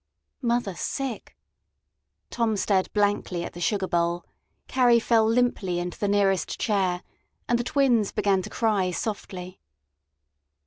Mother sick! Tom stared blankly at the sugar bowl, Carrie fell limply into the nearest chair, and the twins began to cry softly.